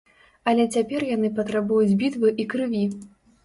Але цяпер яны патрабуюць бітвы і крыві!